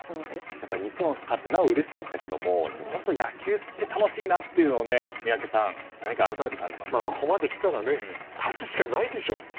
やっぱり日本が勝ってなおうれしかったけど本当、野球って楽しいなって宮家さん、何かここまできたら勝つしかないでしょ。